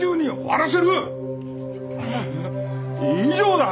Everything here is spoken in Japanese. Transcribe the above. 以上だ！